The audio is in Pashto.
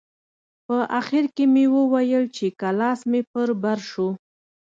په اخر کښې مې وويل چې که لاس مې پر بر سو.